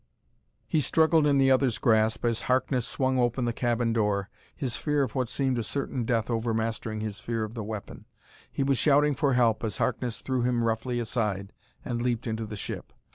He struggled in the other's grasp as Harkness swung open the cabin door, his fear of what seemed a certain death overmastering his fear of the weapon. He was shouting for help as Harkness threw him roughly aside and leaped into the ship.